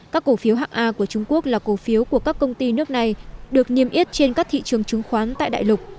các cổ phiếu hạng a của trung quốc là cổ phiếu của các công ty nước này được niêm yết trên các thị trường chứng khoán tại đại lục